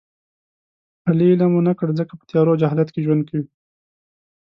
علي علم و نه کړ ځکه په تیارو او جهالت کې ژوند کوي.